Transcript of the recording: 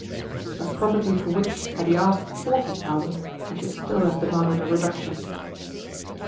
"A property for which, had he asked forty thousand, I should still have demanded a reduction."